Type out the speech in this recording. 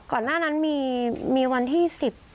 ก่อนหน้านั้นมีวันที่๑๐